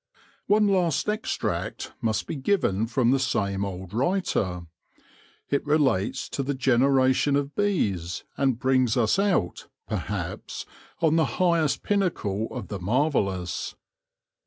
' One last extract must be given from the same old writer. It relates to the generation of bees, and brings us out, perhaps, on the highest pinnacle of the marvellous.